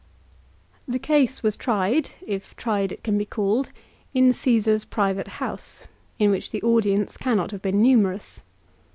The case was tried, if tried it can be called, in Caesar's private house, in which the audience cannot have been numerous.